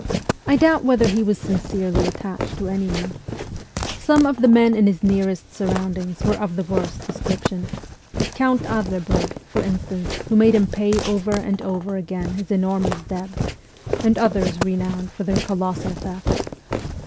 I doubt whether he was sincerely attached to anyone. Some of the 174 MEMOIRS OF A REVOLUTIONIST men in his nearest surroundings were of the worst description Count Adlerberg, for instance, who made him pay over and over again his enormous debts, and others renowned for their colossal thefts.